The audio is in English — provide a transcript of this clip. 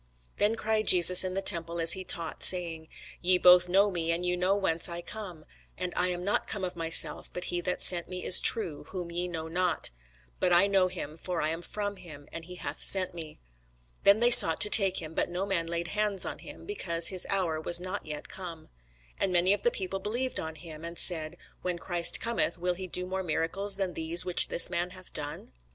Then cried Jesus in the temple as he taught, saying, Ye both know me, and ye know whence I am: and I am not come of myself, but he that sent me is true, whom ye know not. But I know him: for I am from him, and he hath sent me. Then they sought to take him: but no man laid hands on him, because his hour was not yet come. And many of the people believed on him, and said, When Christ cometh, will he do more miracles than these which this man hath done?